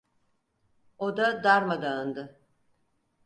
Oda darmadağındı.